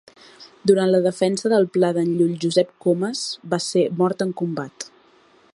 Durant la defensa del Pla d'en Llull Josep Comes va ser mort en combat.